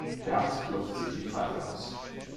Bert klopft sich die Pfeife aus.